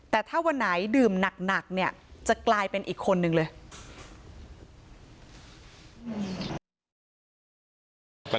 แต่ถ้าวันไหนดื่มหนักเนี่ยจะกลายเป็นอีกคนนึงเลย